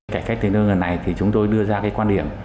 cải cách tính lương ở này thì chúng tôi đưa ra cái quan điểm